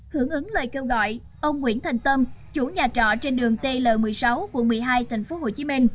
hưởng ứng lời kêu gọi ông nguyễn thành tâm chủ nhà trọ trên đường tl một mươi sáu quận một mươi hai tp hcm